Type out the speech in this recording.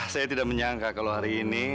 saya tidak menyangka kalau hari ini